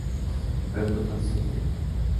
Me preguntó cuántos años tenía.